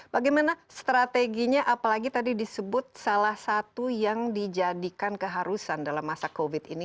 bagaimana strateginya apalagi tadi disebut salah satu yang dijadikan keharusan dalam masa covid ini